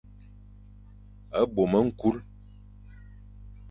Bôm ñkul.